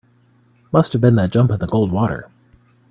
Must have been that jump in the cold water.